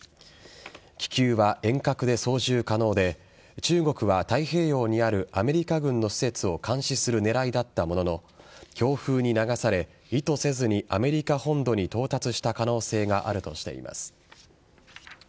気球は遠隔で操縦可能で中国は、太平洋にあるアメリカ軍の施設を監視する狙いだったものの強風に流され、意図せずにアメリカ本土に到達した可能性があるとしています。